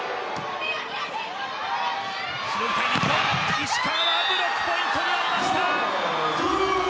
石川はブロックポイントに遭いました。